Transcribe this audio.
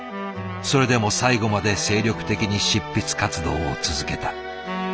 それでも最後まで精力的に執筆活動を続けた。